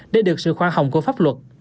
để được sự khoa hồng của pháp luật